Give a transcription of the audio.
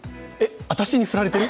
私にふられてる？